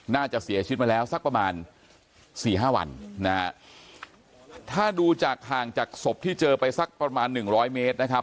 น่าจะเสียชีวิตมาแล้วสักประมาณสี่ห้าวันนะฮะถ้าดูจากห่างจากศพที่เจอไปสักประมาณหนึ่งร้อยเมตรนะครับ